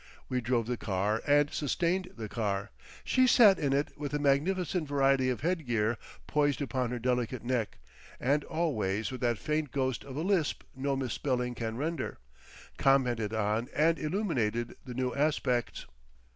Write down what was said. We drove the car and sustained the car, she sat in it with a magnificent variety of headgear poised upon her delicate neck, and always with that faint ghost of a lisp no misspelling can render—commented on and illuminated the new aspects.